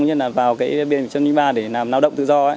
như là vào cái bên trăm trăm ba để làm lao động tự do